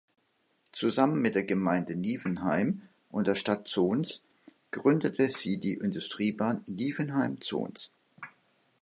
Zusammen mit der Gemeinde Nievenheim und der Stadt Zons gründete sie die Industriebahn Nievenheim-Zons.